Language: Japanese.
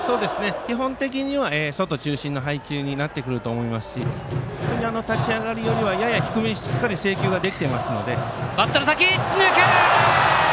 基本的には外中心の配球になってくると思いますし立ち上がりよりはやや低めにしっかり制球できています。